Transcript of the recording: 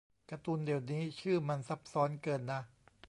การ์ตูนเดี๋ยวนี้ชื่อมันซับซ้อนเกินนะ